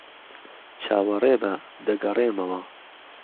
چاوەڕێبە. دەگەڕێمەوە.